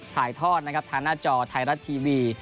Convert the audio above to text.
ถ่ายทอดนะครับทางหน้าจอไทยรัฐทีวี